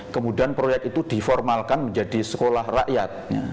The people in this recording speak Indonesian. kemudian proyek itu diformalkan menjadi sekolah rakyat